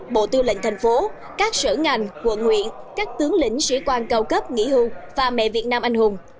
bộ tư lệnh thành phố các sở ngành quận huyện các tướng lĩnh sĩ quan cao cấp nghỉ hưu và mẹ việt nam anh hùng